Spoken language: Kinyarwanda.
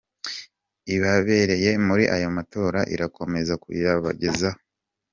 ibabereye muri aya matora irakomeza kuyabagezaho.